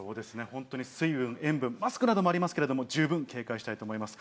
本当に水分、塩分、マスクなどもありますけれども、十分警戒したいと思います。